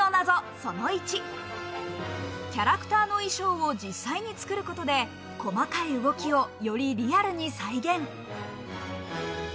その１、キャラクターの衣装を実際に作ることで、細かい動きをよりリアルに再現。